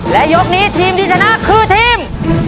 และยกนี้ทีมที่ชนะคือทีม